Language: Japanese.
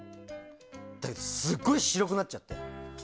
だけどすごい白くなっちゃって。